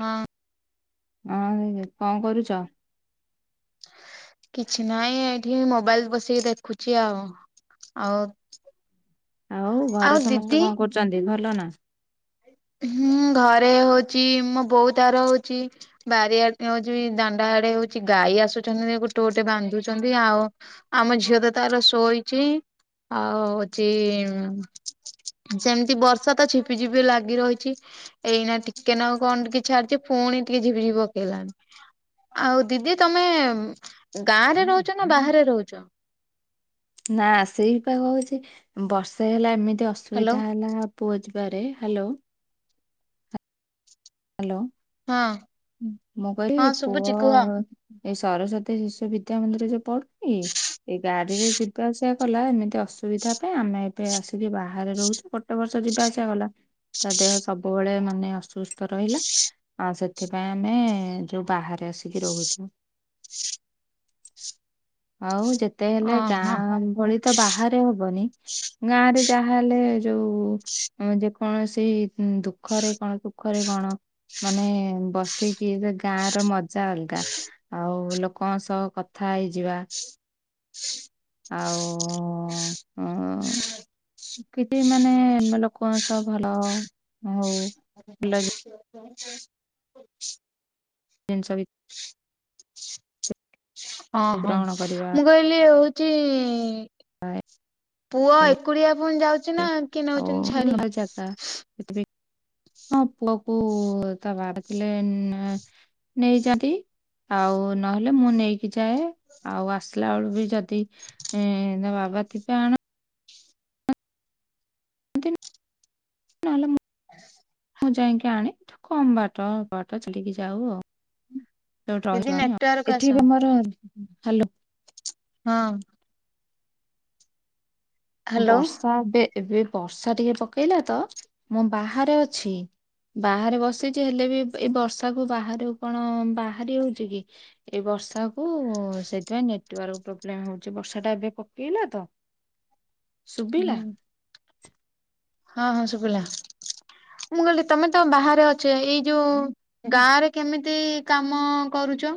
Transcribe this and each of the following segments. ହଁ ମାମୁନି କଣ କରୁଛ? କିଛି ନାହିଁ ଏଇଠି ମୋବାଇଲ ବସିକି ଦେଖୁଛି ଆଉ। ଆଉ ଆଉ ଘରେ ସମସ୍ତେ କଣ କରୁଚନ୍ତି ଭଲ ନା? ହୁଁ ଘରେ ହଉଛି ମୋ ବୋଉ ତାର ହଉଛି। ବାରିଆଡେ ହଉଛି ଦାଣ୍ଡା ଆଡେ ହଉଛି ଗାଈ ଆସୁଛନ୍ତି ଗୋଟେ ଗୋଟେ ବାନ୍ଧୁଛନ୍ତି ଆଉ ଆମ ଝିଅ ତ ତାର ଶୋଇଚି। ଆଉ ହଉଛି ସେମିତି ବର୍ଷା ତ ଝିପିଝପି ଲାଗ ଗି ରହିଛି ଏଇନା ଟିକେ ନାଉ କଣ ଟିକେ ଛାଡିଛି ପୁଣି ଟିକେ ଝିପଝିପ ପକେଇଲାଣି। ଆଉ ଦିଦି ତମେ ଗାଁରେ ରହୁଛ ନା ବାହାରେ ରହୁଛ? ନା ସେଇପା କହୁଛି ବର୍ଷେ ହେଲା ଏମିତି ହ୍ୟାଲୋ ଅସୁବିଧା ହେଲା। ପୁଅ ଯିବାରେ ହ୍ୟାଲୋ। ହ୍ୟାଲୋ ହଁ ହୁଁ ମୁଁ କହିଲି ହଁ ପୁଅ ଶୁଭୁଛି କୁହ ଏଇ ସରସ୍ଵତୀ ଶିଶୁ ବିଦ୍ୟା ମନ୍ଦିର ଯୋଉ ପଢୁନି ଏଇ ଗାଡିରେ ଯିବା ଆସିବା କଲା ଏମିତି ଅସୁବିଧା ପାଇଁ ଆମେ ଏବେ ଆସିକି ବାହାରେ ରହୁଛୁ। କ ଗୋଟେ ବର୍ଷ ଯିବା ଆସିବା ଗଲା ତା ଦେହ ସବୁବେଳେ ମାନେ ଅସୁ ରହିଲା ଆଉ ସେଥିପାଇଁ ଆମେ ଯୋଉ ବାହାରେ ଆସିକି ରହୁଚୁ। ଆଉ ଯେତେ ହେଲେ ଓହୋ ଗାଁ ଭଳି ତ ବାହାରେ ହବନି। ଗାଁ ରେ ଯାହା ହେଲେ ଯୋଉ ଯେ କୌଣସି ଦୁଃଖରେ କଣ ସୁଖରେ କଣ? ମାନେ ବସିକିରେ ଗାଁ ର ମଜା ଅଲଗା। ଆଉ ଲୋକଙ୍କ ସହ କଥା ହେଇଯିବା। ଆଉ ଉଁ କିଛି ମାନେ ଲୋକ ସ ତ ଭଲ ହଉ ଲା କହୁ ଛା ନ୍ତିନ ସବୁ ହଁ ହଁ ଗ୍ରହଣ କରିବା ମୁଁ କହିଲି ହଉଛି। ପୁଅ ଏକୁଡିଆ ପୁଣି ଯାଉଛି ନା କିଏ ନେଉଛନ୍ତି ଛାଡି ଛା କା ଥିବି ହଁ ପୁଅ କୁ ତା ବା ଡାକିଲେ ଉଁ ଏଁ ନେଇଛନ୍ତି। ଆଉ ନହେଲେ ମୁଁ ନେଇକି ଯାଏ ଆଉ ଆସିଲା ବେଳ କୁ ଯଦି ହଁ ବାବା ଥିବେ ଆଣ ଆଣନ୍ତି [unintelligible] [inaudible] ମୁଁ ଯାଇଁକି ଆଣେ ଏଠୁ କମ୍ ବାଟ ବାଟ ଚାଲିକି ଯାଉ ଆଉ। ଯୋଉଟୁ ଦିଦି ରହିଚୁ ଆମେ ନେଟୱାର୍କ ଆସ ଏଠି ବି ମୋର ହାଲୋ ହଁ। ହ୍ୟାଲୋ ବର୍ଷା ଏବେ ଏବେ ବର୍ଷା ଟିକେ ପକେଇଲା ତ ମୁଁ ବାହାରେ ଅଛି। ବାହାରେ ବସିଛି ହେଲେ ବି ଏଇ ବର୍ଷା କୁ ବାହାରକୁ କଣ ବାହାରି ହଉଛି କି? ଏଇ ବର୍ଷା କୁ ସେଇଥିପାଇଁ ନେଟୱାର୍କ ପ୍ରୋବ୍ଲେମ ହଉଛି ବର୍ଷା ଟା ଏବେ ପକେଇଲା ତ। ସୁବିଲା। ହୁଁ ହଁ ହଁ ସୁବିଲା ମୁଁ କହିଲି ତମେ ତ ବାହାରେ ଅଛ ଏଇ ଯୋଉ ଗାଁ ରେ କେମିତି କାମ କରୁଚ?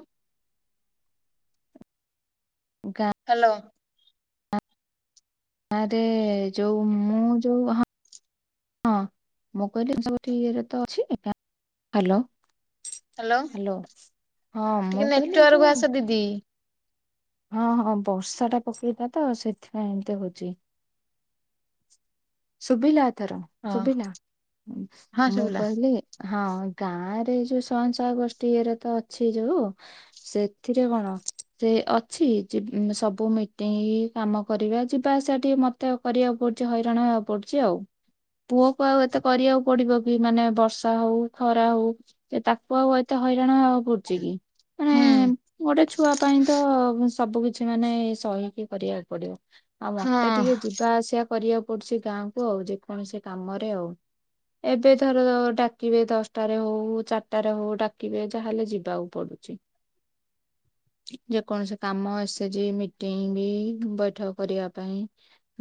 ଗାଁ। ହାଲୋ। ଆ ଆରେ ଯୋଉ ମୁଁ ଯୋଉ ହଁ ହଁ ମୁଁ କହିଲି ଆଉ ସବୁ ଏଠି ଇଏରେ ତ ଅଛି ଗାଁ ହାଲୋ ହ୍ୟାଲୋ ହାଲୋ ହଁ ମୁଁ କହିଲି ଏ ଯୋଉ ଦେଇ ହଁ ହଁ ବର୍ଷାଟା ପକେଇଲା ତ ସେଥିପାଇଁ ଏମତି ହୋଉଚି। ଶୁଭିଲା ଏଥର ହଁ ଶୁଭିଲା ହଁ ମୁଁ ଶୁଭିଲା କହିଲି ହଁ ଗାଁରେ ଏଇ ଯୋଉ ସ୍ୱୟଂସହାୟ ଗୋଷ୍ଠୀ ଇଏରେ ତ ଅଛି ଯୋଉ ସେଥିରେ କଣ? ସେ ଅଛି ଯିବ୍ ଉମ୍ ସବୁ ମିଟିଂ କାମ କରିବା ଯିବା ଆସିବା ଟିକେ ମ ତ ଆଉ କରିବାକୁ ପଡୁଚି ହଇରାଣ ହବାକୁ ପଡୁଚି ଆଉ। ପୁଅକୁ ଆଉ ଏତେ କରିବାକୁ ପଡିବ କି ମାନେ ବର୍ଷା ହୋଉ ଖରା ହୋଉ। ସେ ତାକୁ ଆଉ ଏତେ ହଇରାଣ ହବାକୁ ପଡଚି କି? ମାନେ ହୁଁ। ଗୋଟେ ଛୁଆ ପାଇଁ ତ ସବୁ କିଛି ମାନେ ସହିକି କରିବାକୁ ପଡିବ। ଆଉ ମତେ ହଁ। ଟିକେ ଯିବା ଆସିବା କରିବାକୁ ପଡୁଛି ଗାଁକୁ ଆଉ ଯେକୌଣସି କାମରେ ଆଉ। ଏବେ ଧର ଡାକିବେ ଦଶଟାରେ ହୋଉ ଚାରଟାରେ ହୋଉ ଡାକିବେ ଯାହାହେଲେ ଯିବାକୁ ପଡୁଚି। [unintelligible] ଯେକୌଣସି କାମ ଏ ଏସ୍ ଜି ମିଟିଂ ବି ବୈଠକ କରିବା ପାଇଁ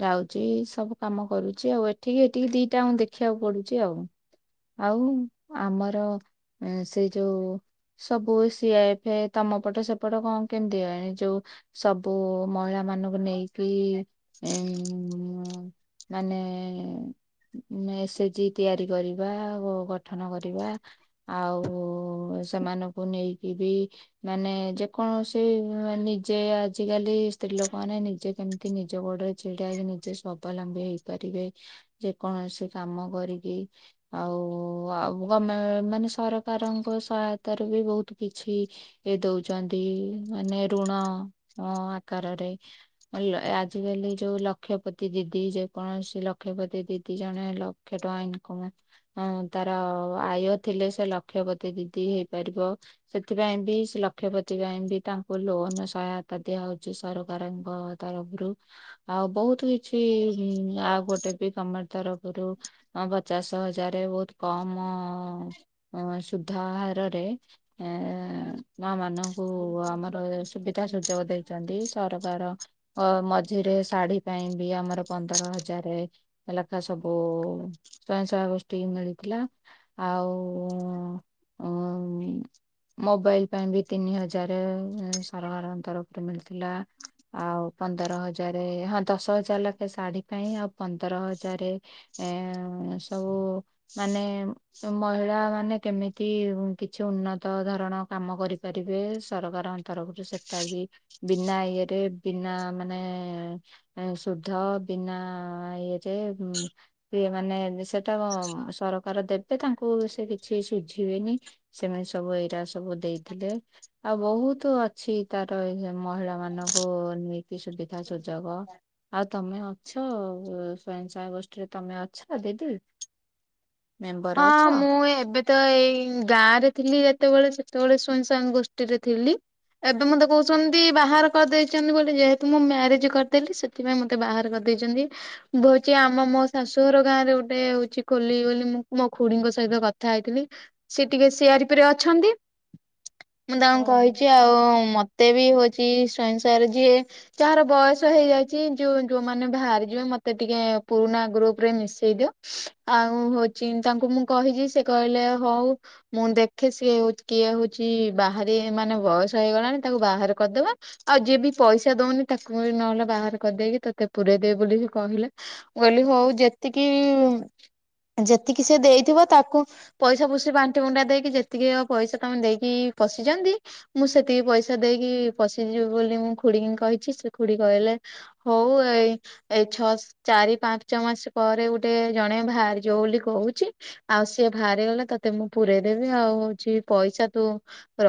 ଯାଉଚି ଏଇ ସବୁ କାମ କରୁଚି ଆଉ ଏଠିକି ହେଠିକି ଦିଇଟା ଆଙ୍କୁ ଦେଖିବାକୁ ପଡୁଚି ଆଉ। ଆଉ ଆମର ଏଁ ସେଇ ଯୋଉ ସବୁ ଏଇ ସି ଆଇ ଏଫେ ତମ ପଟେ ସେପଟ କଣ କେମତି ଆଣି ଯୋଉ ସବୁ ମହିଳା ମାନଙ୍କୁ ନେଇକି ଏଁମ୍ ମାନେ ଏ ଏସ୍ ଜି ତିଆରି କରିବା ଗୋ ବ ଗଠନ କରିବା ଆଉ ସେମାନଙ୍କୁ ନେଇକି ବି ମାନେ ଯେ କୌଣସି ବା ନିଜେ ଆ ଆଜିକାଲି ସ୍ତ୍ରୀ ଲୋକମାନେ ନିଜେ କେମତି ନିଜ ଗୋଡରେ ଛିଡା ହେଇ ନିଜେ ସ୍ବାବଲମ୍ ବି ହେଇପାରିବେ ଯେ କୌଣସି କାମ କରିକି। ଆଉ ଆଉ ଗମେ ମାନେ ସରକାରଙ୍କ ସହାୟତାରୁ ବି ବୋହୁତ କିଛି ଇଏ ଦୋଉଛନ୍ତି ମାନେ ଋଣ ଅ ଆକାରରେ। ଅ ଲ ଏ ଆଜିକାଲି ଯୋଉ ଲକ୍ଷପତି ଦିଦି ଯେ କୌଣସି ଲକ୍ଷପତି ଦିଦି ଜଣେ ଲକ୍ଷେ ଟଙ୍କା ଇନକମ ହଁ ତାର ଆୟ ଥିଲେ ସେ ଲକ୍ଷପତୀ ଦିଦି ହେଇପାରିବ। ସେଥିପାଇଁ ବି ସେ ଲକ୍ଷପତି ପାଇଁ ବି ତାଙ୍କୁ ଲୋନ୍ ସହାୟତା ଦିଆ ହୋଉଚି ସରକାରଙ୍କ ତରଫରୁ ଆଉ ବୋହୁତ କିଛି ହୁଁ ଆଉ ଗୋଟେ ବି ଗମେଣ୍ଟ ତରଫରୁ ଆଉ ପଚାଶ ହଜାରେ ବୋହୁ କମ ଅଁ ସୁଧହାରରେ ଏଁ ମା ମାନଙ୍କୁ ଆମର ସୁବିଧା ସୁ ଯୋଗ ଦେଇଚନ୍ତି ସରକାର ଓ ମଝିରେ ଶାଢୀ ପାଇଁ ବି ଆମର ପନ୍ଦର ହଜାରେ ଲେଖା ସବୁ ସ୍ୱୟଂସହାୟକ ଗୋଷ୍ଠୀକି ମିଳିଥିଲା। ଆଉ ଅଉମ୍ ମୋବାଇଲ୍ ପାଇଁ ବି ତିନି ହଜାରେ ଏଁ ସରକାରଙ୍କ ତରଫରୁ ମିଳିଥିଲା। ଆଉ ପନ୍ଦର ହଜାରେ ହଁ ଦଶ ହଜାର ଲାଖେ ଶାଢୀ ପାଇଁ ଆଉ ପନ୍ଦର ହଜାରେ ଏଁ ଏସବୁ ମାନେ ତ ମହିଳା ମାନେ କେମିତି ଉଁ କିଛି ଉନ୍ନତ ଧରଣ କାମ କରିପାରିବେ ସରକାର ତରଫରୁ ସେଟା ବି ବିନା ଇଏରେ ବିନା ମାନେ ସୁ ଧ ବିନା ଇଏରେ ପିଏମ୍ ମାନେ ସେଟା କଁ-ଉ-ମ୍ ସରକାର ଦେବେ ତାଙ୍କୁ ସେ କିଛି ସୁଝିବେନି ସୀମିତି ସବୁ ଏଇରା ସବୁ ଦେଇଥିଲେ ଆଉ ବୋହୁତ୍ ଆ ଛି ତାର ଏଇନେ ମହିଳା ମାନଙ୍କୁ ନୀତି ସୁବିଧା ସୁଯୋଗ ଆଉ ତମେ ଅଛ, ସ୍ୱୟଂସହାୟକ ଗୋଷ୍ଠିରେ ତମେ ଅଛ? ଦିଦି। ହଁ ମେମ୍ବର ଅଛ? ମୁଁ ଏବେ ତ ଏଇ ଗାଁ ରେ ଥିଲି ଯେତେବେଳେ ସେତେବେଳେ ସ୍ୱୟଂସାଙ୍ଗ ଗୋଷ୍ଠୀରେ ଥିଲି। ଏବେ ମତେ କୋହୁଛନ୍ତି ବାହାର କରିଦେଇଚନି ବୋଲି, ଯେହେତୁ ମୁଁ ମ୍ୟାରେଜ୍ କରିଦେଲି ସେଥି ସେଥିପାଇଁ ମୋତେ ବାହାର କରିଦେଇଚନ୍ତି। ଭୋଉଚି ଆମ ମୋ-ଓ- ଶାଶୁଘର ଗାଁ ରେ ଗୋଟେ ହୋଉଚି ଖୋଲି ବୋଲି ମୁଁ। ମୋ ଖୁଡିଙ୍କ ସହିତ କଥା ହେଇଥିଲି, ସେ ଟିକେ ସିଆରପି ରେ ଅଛନ୍ତି। ମୁଁ ହଁ ତାଙ୍କୁ ହଁ। କହିଛି ଆଉ ମତେ ବି ହୋଉଚି ସୟଂସାୟକର ଯିଏ ଯାହାର ବୟସ ହେଇଯାଇଛି ଯୋଉ ଯୋଉ ମାନେ ଭାରିଯିବେ ମତେ ଟିକେ ପୁରୁନା ଗ୍ରୁପ୍ ରେ ମିଶେଇ ଦିଅ। ଆଉ ହୋଉଚି ତାଙ୍କୁ ମୁଁ କହିଛି ସେ କହିଲେ ହଉ ମୁଁ ଦେଖେ ସିଏ ଉତ୍ କିଏ ହୋଉଛଚି ବାହାରି ମାନେ ବୟସ ହେଇଗଲାଣି ତାକୁ ବାହାର କରିଦବା। ଆଉ ଯିଏ ବି ପଇସା ଦୋଉନି ତାକୁ ଇ ନହେଲେ ବାହାର କରିଦେଇକି ତତେ ପୁରେଇଦେବେ ବୋଲିବି ସେ କହିଲେ। ମୁଁ କଇଲି ହୋଉ ଯେତିକି ଯେତିକି ସେ ଦେଇଥିବ ତାକୁ ପଇସା ପୋଷି ବାଣ୍ଟି ବୁଣ୍ଟା ଦେଇକି ଯେତିକି ଯେତିକି ଜଅ ପଇସା ତମେ ଦେଇକି ପଶିଚନ୍ତି ମୁଁ ସେତିକି ପଇସା ଦେଇକି ପଶିଯିବି ବୋଲି ମୁଁ ଖୁଡିଙ୍କି କହିଛି ସେ ଖୁଡି କହିଲେ ହୋଉ ଏଇ ଏଇ ଛସ ଚାରି ପାଞ୍ଚ ମାସ ପରେ ଗୋଟେ ଜଣେ ଭାରି ଯୋଉଲି କୋହୁଛି ଆଉ ସିଏ ବାହାରିଗଲା ତତେ ମୁଁ ପୁରେଇ ଦେବି ଆଉ ହୋଉଛି ପଇସା ତୁ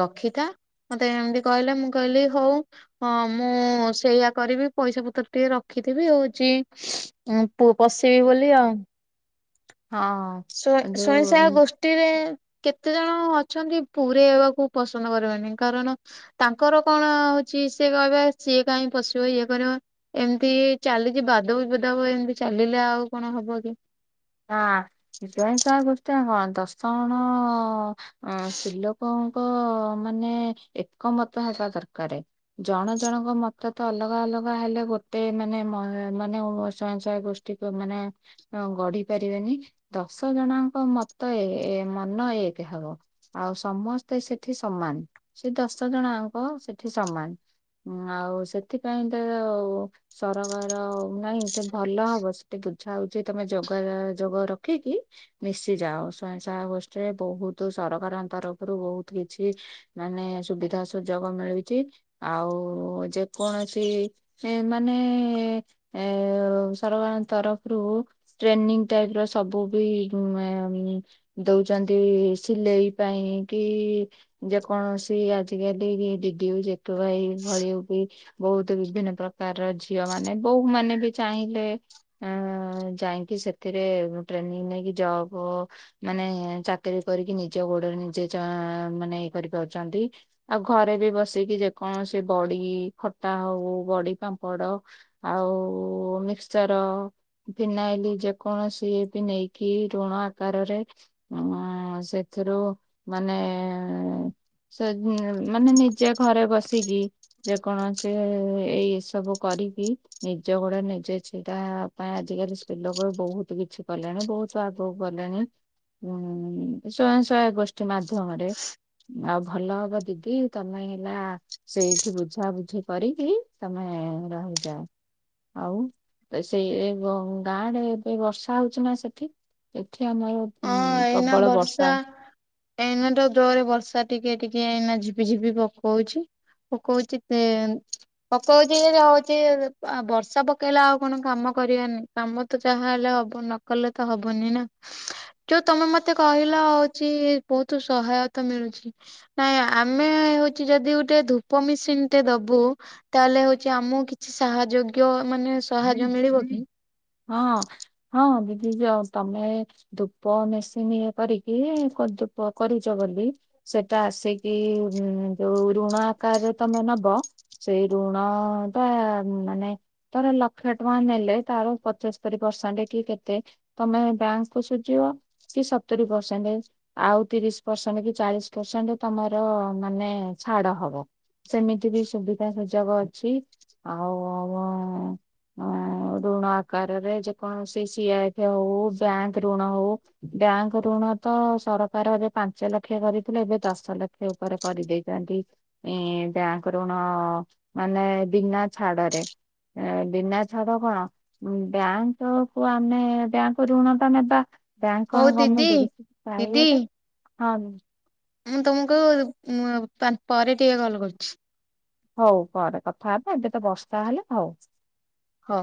ରଖିଥା ମତେ ହେମ୍ତି କଇଲେ, ମୁଁ କଇଲି ହୋଉ ହଁ ମୁଁ -ଉଁ -ଉଁ -ସେଇଆ କରିବି ପଇସା ପତର ଟିକେ ରଖିଥିବି ହୋଉଛି ଉଁ ପୁଅ ପସେଇବି ବୋଲି ଆଉ। ହଁ-ଅଁ ସ୍ୱ- ୟ- ସ୍ଵୟଂସହାୟକ ଗୋସ୍ ଟିରେ କେତେ ଜଣ ଅଛନ୍ତି ପୁରେଇବାକୁ ପସନ୍ଦ କରିବେନି କାରଣ ତାଙ୍କର କଣ ହୋଉଛି ସେ କଇବେ ସିଏ କାଇଁକି ପଶିବ ଇଏ କରିବ ଏମ୍ତି -ଇ -ଚାଲିଛି ବାଦ ବିବାଦ ଆଉ ଏମ୍ତି ଚାଲିଲେ ଆଉ କଣ ହବ କି? ହଁ -ଅଁ-ସ୍ୱୟଂସହାୟକ୍ ଗୋଷ୍ଟୀ ମାନେ କଣ ଦଶ ଜ -ଣ -ଣ-ଅଁ- ସ୍ତ୍ରୀ ଲୋକ ପ-ଅ-ମାନେ ଏକମତ ହେବା ଦର୍କାରେ। ଜଣ ଜଣଙ୍କ ମତ୍ତ ତ ଅଲଗା ଅଲଗା ହେଲେ ଗୋଟେ ମାନେ -ମ-ହି- ମାନେ ସୟଂସହାୟକ ଗୋଷ୍ଠୀ ଟିକ ମାନେ-ଏଁ-ଉଁ-ଗଢି ପାରିବେନି ଦଶ ଜଣଙ୍କ ମତ -ଏ- ଏ-ମନ ଏକ୍ ହବ। ଆଉ ସମସ୍ତେ ସେଠି ସମାନ୍ ସେ ଦଶ ଜଣଆଙ୍କ ସେଠି ସମାନ୍। ହୁଁ ଆଉ ସେଥିପାଇଁ ତରଉ ସରକାର ନାଇଁ ସେ ଭଲ ହବ ସେଠି ବୁଝା ହୋଉଛି ତମେ ଯବ୍ କଇଲାଳେ ଯୋଗ ରଖିକି ମିଶିଯାାଅ ସ୍ୱୟଂସହାୟକ ଗୋଷ୍ଠୀରେ ବହୁତୁ ସରକାରଙ୍କ ତରଫରୁ ବହୁତ୍ କିଛି ମାନେ ସୁବିଧା ସୁଯୋଗ ମିଳିଚି ଆଉ ଯେକୌଣସି ଏମାନେ -ଏ-ଏ -ଏଁ-ଉ -ସରକାରଙ୍କ ତରଫ୍ ରୁ ଟ୍ରେନିଂ ଟାଇପ ର ସବୁ ବି ଦଉଛନ୍ତି ସିଲେଇ ପାଇଁ କି ଯେକୌଣସି ଆଜିକାଲି ଦିଦି ଜେକ ଭାଇ ଭଳି ବି ବହୁତ ବିଭିନ୍ନ ପ୍ରକାରର ଝିଅ ମାନେ ବୋଉ ମାନେ ବି ଚାହିଁଲେ ଆଃ ଯାଇକି ସେଥିରେ ଟ୍ରେନିଂ ନେଇକି ଜବ ମାନେ ଚାକିରି କରିକି ନିଜ ଗୋଡରେ ନିଜେ ମାନେ ଇଏ କରିପାରୁଛନ୍ତି। ଆଉ ଘରେ ବି ବସିକି ଯେକୌଣସି ବଡି ଖଟା ହଉ ବଡି ପାମ୍ପଡ ଆଉ ମିକ୍ସଚର ଫିନାଇଲ ଯେକୌଣସି ବି ନେଇକି ଋଣ ଆକାରରେ ହ ସେଥିରୁ ମାନେ ମାନେ ନିଜେ ଘରେ ବସିକି ଯେକୌଣସି ଏଇ ଏ ସବୁ କରିକି ନିଜ ଗୋଡ ନିଜେ ସେଇଟା ପାଇଁ ଆଜିକାଲି ସ୍ ଲୋକ ବହୁତ କିଛି କଲେଣି ବହୁତ ସ୍ଵଦକୁ କଲେଣି। ହୁଁ ସ୍ୱୟଂ ସହାୟକ ଗୋଷ୍ଠୀ ମାଧ୍ୟମରେ ଆଉ ଭଲ ହବ ଦିଦି ତମେ ହେଲା ସେଇଠି ବୁଝାବୁଝି କରିକି ତମେ ରହିଯାଅ। ଆଉ ସେଇ ଗ ଗାଁ ଗାଁ ରେ ଏବେ ବର୍ଷା ହଉଛି ନା ସେଠି ସେଠି ଆମର ହଁ ଉଁ ଏଇନା ପ୍ରବଳ ବର୍ଷା ଏଇନା ଟା ଦୋରେ ବର୍ଷା ଟିକେ ଟିକେ ଏଇନା ଝିପି ଝିପି ପକଉଛି ପକଉଛି [unintelligible] ପକଉଛି ହଉଛି ବର୍ଷା ପକେଇଲା ଆଉ କଣ କାମ କରିବାରାନି କାମ ତ ଯାହା ହେଲେ ହବ ନକଲେ ତ ହବନି ନା। ଯୋଉ ତମେ ମତେ କହିଲ ହଉଛି ବହୁତ ସହାୟତା ମିଳୁଛି। ନାଇଁ ଆମେ ହଉଛି ଯଦି ଗୋଟେ ଧୂପ ମେସିନ ଟେ ଦବୁ ତାହେଲେ ହଉଛି ଆମକୁ କିଛି ସାହାଯୋଗ୍ୟ ମାନେ ସାହାଯ୍ୟ ମିଳିବ କି? ହଁ ହଁ ଦିଦି ଯ ତମେ ଧୂପ ମେସିନି କରିକି ଧୂପ କରିଛ ବୋଲି ସେଟା ଆସିକି ଯୋଉ ଋଣ ଆକାରରେ ତମେ ନବ ସେଇ ଋଣ ତ ମାନେ ଧର ଲକ୍ଷେ ଟଙ୍କା ନେଲେ ତାର ପଞ୍ଚସ୍ତରୀ ପରସେଣ୍ଟ କି କେତେ ତମେ ବ୍ୟାଙ୍କ କ ସୁଝିବ କି ସତରୀ ପରସେଣ୍ଟ ଆଉ ତିରିଶ ପରସେଣ୍ଟ କି ଚାଳିଶ ପରସେଣ୍ଟ ତମର ମାନେ ଛାଡ ହବ। ସେମିତି ବି ସୁବିଧା ସୁଯୋଗ ଅଛି। ଆଉ ୠଣ ସକାରରେ ଯେକୌଣସି ସିଆଇ ହଉ ବ୍ୟାଙ୍କ ଋଣ ହଉ ବ୍ୟାଙ୍କ ଋଣ ତ ସରକାର ଏବେ ପାଞ୍ଚ ଲକ୍ଷ କରିଥିଲେ ଏବେ ଦଶ ଲକ୍ଷ ସେ ଉପରେ କରିଦେଇଥାନ୍ତି। ଏ ବ୍ୟାଙ୍କରଋଣ ମାନେ ବିନା ଛାଡରେ ଆଃ ବିନା ଛାଡ କଣ? ବ୍ୟାଙ୍କ କୁ ଆମେ ବ୍ୟାଙ୍କ ଋଣ ଟା ନେବା ବ୍ୟାଙ୍କ ହଉ କଣ ଦିଦି ଗମେଟ ଦିଦି କି ହଁ ମୁଁ ତମକୁ ଉଁ ପା ପରେ ଟିକେ କଲ କରୁଛି ହଉ କରେ କଥା ହେବା ଏବେ ତ ବର୍ଷା ହେଲେ ହଉ। ହଁ।